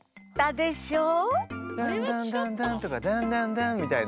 ダンダンダンダンとかダンダンダンみたいな。